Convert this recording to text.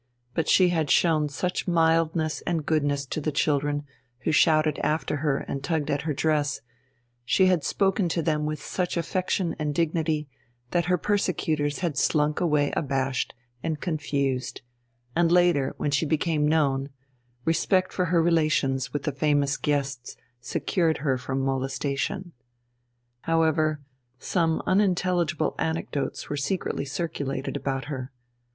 But she had shown such mildness and goodness to the children who shouted after her and tugged at her dress, she had spoken to them with such affection and dignity, that her persecutors had slunk away abashed and confused, and later, when she became known, respect for her relations with the famous guests secured her from molestation. However, some unintelligible anecdotes were secretly circulated about her.